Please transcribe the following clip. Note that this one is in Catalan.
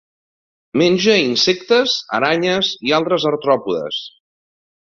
Menja insectes, aranyes i altres artròpodes.